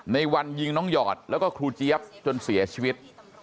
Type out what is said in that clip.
ในวันยิงน้องหยอดแล้วก็ครูเจี๊ยบจนเสียชีวิต